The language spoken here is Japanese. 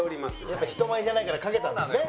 やっぱ人前じゃないから描けたんですね。